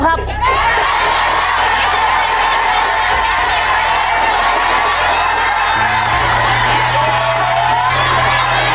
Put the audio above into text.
ภายในเวลา๑นาที